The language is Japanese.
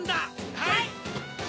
はい！